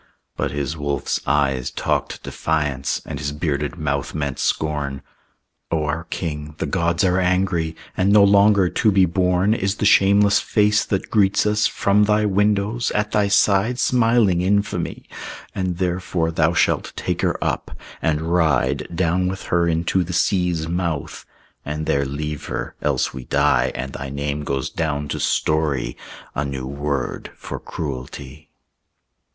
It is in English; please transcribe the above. But his wolf's eyes talked defiance, And his bearded mouth meant scorn. "O our king, the gods are angry; And no longer to be borne "Is the shameless face that greets us From thy windows, at thy side, Smiling infamy. And therefore Thou shall take her up, and ride "Down with her into the sea's mouth, And there leave her; else we die, And thy name goes down to story A new word for cruelty."